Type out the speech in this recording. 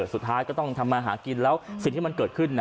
สุดท้ายก็ต้องทำมาหากินแล้วสิ่งที่มันเกิดขึ้น